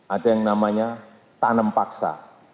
ada yang namanya tanam paksa